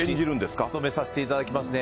私、務めさせていただきますね。